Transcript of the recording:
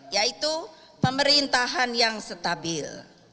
yaitu pemerintahan yang stabil